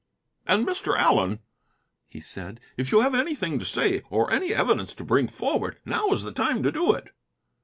"And, Mr. Allen," he said, "if you have anything to say, or any evidence to bring forward, now is the time to do it."